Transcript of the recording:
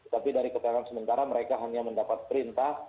tapi dari keterangan sementara mereka hanya mendapat perintah